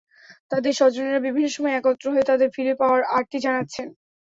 তাঁদের স্বজনেরা বিভিন্ন সময় একত্র হয়ে তাঁদের ফিরে পাওয়ার আর্তি জানাচ্ছেন।